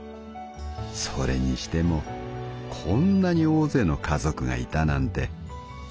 それにしてもこんなに大勢の家族がいたなんて！』